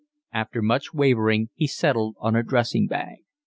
After much wavering he settled on a dressing bag.